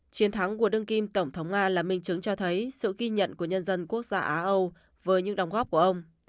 chiến thắng của đương kim tổng thống nga là minh chứng cho thấy sự ghi nhận của nhân dân quốc gia á âu với những đồng góp của ông